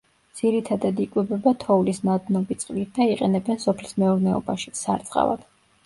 ძირითადად იკვებება თოვლის ნადნობი წყლით და იყენებენ სოფლის მეურნეობაში, სარწყავად.